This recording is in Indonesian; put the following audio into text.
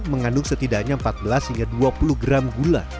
mengandung setidaknya empat belas hingga dua puluh gram gula